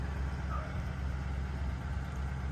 موږ بايد د خپلو مسئوليتونو څخه سترګې پټې نه کړو.